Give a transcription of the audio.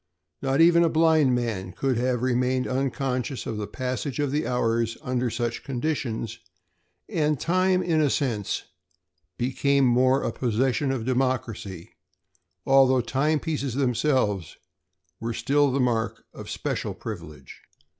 Not even a blind man could have remained unconscious of the passage of the hours under such conditions, and time, in a sense, became more a possession of democracy although timepieces themselves were still the mark of special privilege.